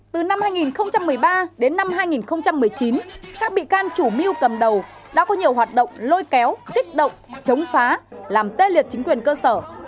từ năm hai nghìn một mươi ba đến năm hai nghìn một mươi chín các bị can chủ mưu cầm đầu đã có nhiều hoạt động lôi kéo kích động chống phá làm tê liệt chính quyền cơ sở